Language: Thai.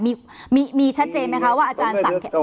มีชัดเจนไหมคะว่าอาจารย์สั่ง